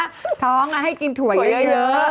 อาหารไทย